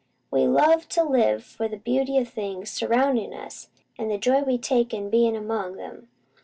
We love to live for the beauty o' the things surroundin' us, an' the joy we take in bein' among 'em.